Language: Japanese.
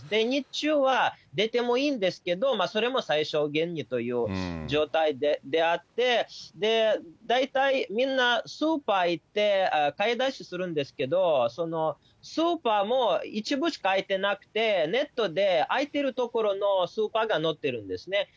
日中は出てもいいんですけど、それも最小限にという状態であって、大体みんな、スーパー行って、買い出しするんですけど、スーパーも一部しか開いてなくて、ネットで開いているところのスーパーが載ってるんですね。